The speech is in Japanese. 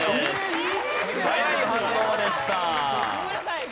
早い反応でした。